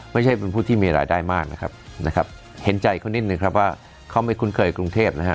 ไม่ใช่เป็นผู้ที่มีรายได้มากนะครับนะครับเห็นใจเขานิดนึงครับว่าเขาไม่คุ้นเคยกรุงเทพนะฮะ